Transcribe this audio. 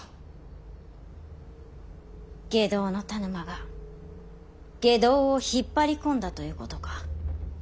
外道の田沼が外道を引っ張り込んだということか。